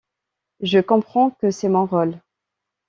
Je comprends que c’est mon rôle.